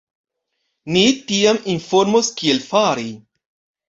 Ni tiam informos kiel fari.